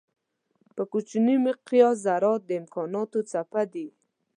په کوچني مقیاس ذرات د امکانانو څپه دي.